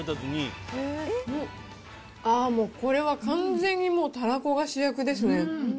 あー、もう、これは完全にもう、もうたらこが主役ですね。